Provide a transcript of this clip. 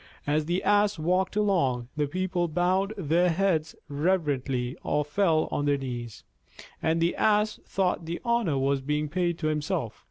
As the Ass walked along, the people bowed their heads reverently or fell on their knees, and the Ass thought the honor was being paid to himself.